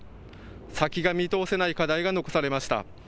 先が見通せない課題が残されました。